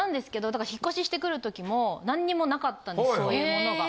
だから引っ越ししてくる時も何もなかったんですそういうものが。